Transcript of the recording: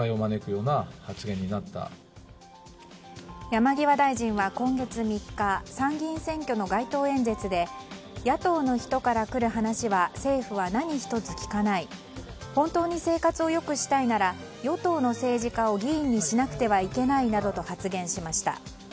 山際大臣は今月３日参議院選挙の街頭演説で野党の人から来る話は政府は何一つ聞かない本当に生活を良くしたいなら与党の政治家を議員にしなくてはいけないなどと発言しました。